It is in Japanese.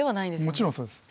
もちろんそうです。